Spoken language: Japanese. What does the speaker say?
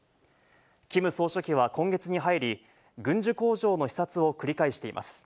キム総書記は今月に入り、軍需工場の視察を繰り返しています。